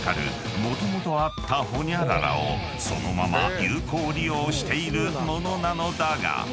もともとあったホニャララをそのまま有効利用している物なのだが］